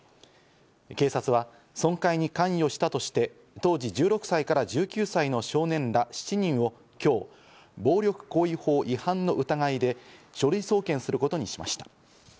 警察は損壊に関与したとして、当時１６歳から１９歳の少年ら７人を今日、暴力行為法違反の疑いで書類送検することにしました。